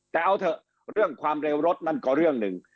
แต่เอาเถอะเรื่องความเร็วรถนั่นก็เรื่องหนึ่ง